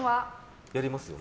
やりますよね。